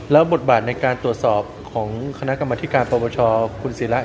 แล้วบทบาทในการตรวจสอบของคณะกรรมธิการปรปชคุณศิระ